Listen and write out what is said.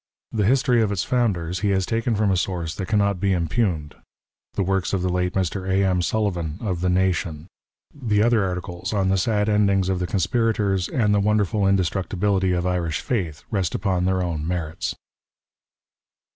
The history of its founders he has taken from a source that cannot be impugned, the works of the late Mr. A. M. Sullivan, of the Nation. The other articles, on the sad ending of XVlll PREFACE. conspirators, and the wonderful indestructibility of Irisli Taith rest upon tlieir own merits.